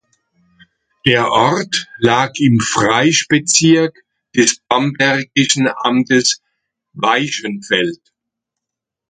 Der Ort lag im Fraischbezirk des bambergischen Amtes Waischenfeld.